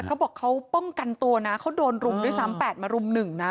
เขาบอกเขาป้องกันตัวนะเขาโดนรุมด้วยซ้ำ๘มารุม๑นะ